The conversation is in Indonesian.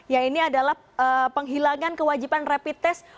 ya ini adalah penghilangan kewajiban rapid test